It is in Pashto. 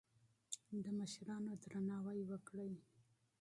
د مشرانو درناوی وکړئ.